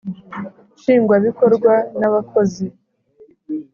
Nshingwabikorwa n abakozi